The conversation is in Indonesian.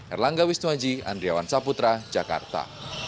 erlangga wisnuaji andriawan saputra jakarta